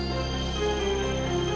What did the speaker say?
cari tempat lain